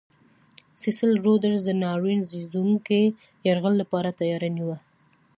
سیسل رودز د ناورین زېږوونکي یرغل لپاره تیاری نیوه.